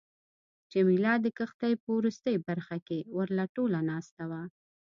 جميله د کښتۍ په وروستۍ برخه کې ورله ټوله ناسته وه.